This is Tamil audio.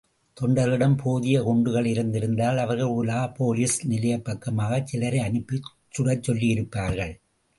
தொணடர்களிடம் போதிய குண்டுகளிருந்திருந்தால் அவர்கள் ஊலா போலிஸ் நிலையப் பக்கமாகச் சிலரை அனுப்பிச் சுடக் கொல்லியிருப்பார்கள்.